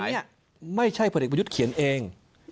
อันนี้ไม่ใช่พลเอกประยุทธ์เขียนเอง